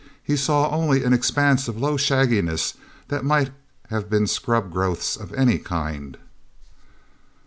He saw only an expanse of low shagginess that might have been scrub growths of any kind.